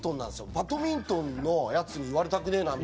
バドミントンのヤツに言われたくねえなみたいな。